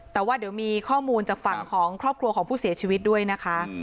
แต่ว่าเดี๋ยวมีข้อมูลจากฝั่งของครอบครัวของผู้เสียชีวิตด้วยนะคะ